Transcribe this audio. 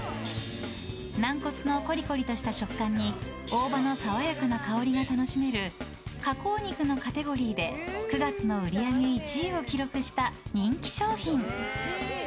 軟骨のコリコリとした食感に大葉の爽やかな香りが楽しめる加工肉のカテゴリーで９月の売り上げ１位を記録した人気商品。